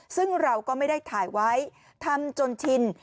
ซึ่งเราก็ไม่ได้ถ่ายไว้ทำจนชิน